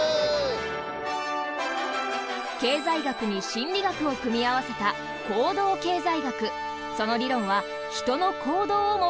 経済学に心理学を組み合わせた「行動経済学」。